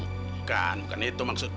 bukan bukan itu maksud b